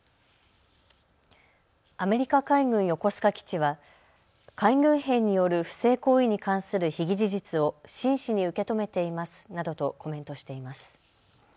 アメリカ海軍横須賀基地は海軍兵による不正行為に関する被疑事実を真摯に受け止めていますなどとコメントしています。